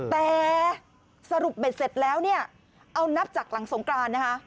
แต่สรุปเบ็ดเสร็จแล้วเนี่ยเอานับจากหลังสงกรานนะคะ